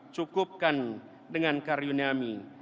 cukupkan dengan karyunyami